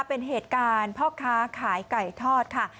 เป็นเหตุการณ์พ่อค้าขายไก่ทอดค่ะ